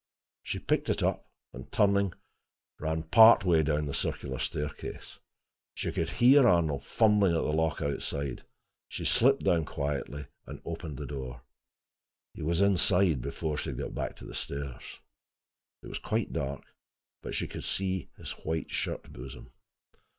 She picked it up and turning, ran part way down the circular staircase. She could hear Arnold fumbling at the lock outside. She slipped down quietly and opened the door: he was inside before she had got back to the stairs. It was quite dark, but she could see his white shirt bosom.